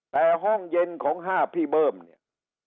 แต่ห้องเย็นของ๕พี่เบิ้มเนี่ย